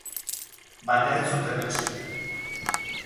Baina ez zuten etsi.